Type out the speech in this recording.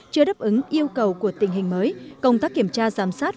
chưa đáp ứng yêu cầu của tình hình mới công tác kiểm tra giám sát